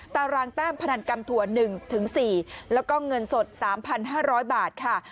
ตารางแต้มพนันกำถั่ว๑๔แล้วก็เงินสด๓๕๐๐บาทค่ะ